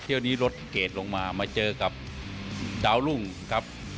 เที่ยวนี้รถเกรดลงมามาเจอกับดาวรุ่งครับ